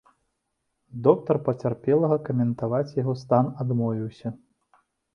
Доктар пацярпелага каментаваць яго стан адмовіўся.